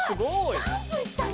ジャンプしたね！